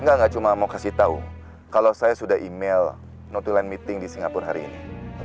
enggak enggak cuma mau kasih tahu kalau saya sudah email no to land meeting di singapura hari ini